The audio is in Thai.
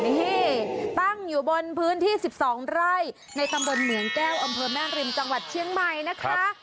นี่ตั้งอยู่บนพื้นที่๑๒ไร่ในตำบลเหมืองแก้วอำเภอแม่ริมจังหวัดเชียงใหม่นะคะ